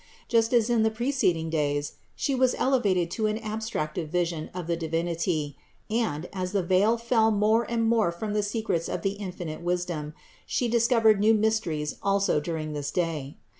Just as in the preceding days She was elevated to an abstractive vision of the Divinity, and, as the veil fell more and more from the secrets of the infinite wisdom, She discovered new mysteries also during this day.